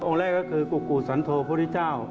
องค์แรกก็คือกุกุสันโทพฤติเจ้า